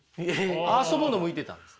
遊ぶの向いてたんです。